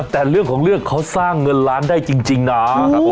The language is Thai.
แต่เรื่องของเรื่องเขาสร้างเงินล้านได้จริงนะ